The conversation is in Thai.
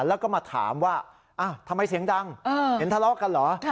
แล้วก็มาถามว่าทำไมเสียงดังเห็นทะเลาะกันเหรอ